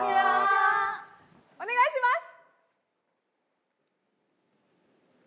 おねがいします！